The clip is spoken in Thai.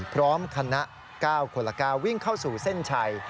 พร้อมคณะ๙คนละ๙วิ่งเข้าสู่เส้นชัย